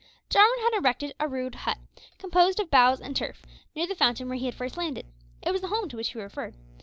Jarwin had erected a rude hut, composed of boughs and turf, near the fountain where he had first landed. It was the home to which he referred.